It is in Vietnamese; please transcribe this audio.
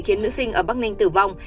khiến nữ sinh ở bắc ninh tử vong